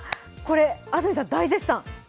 安住さん大絶賛！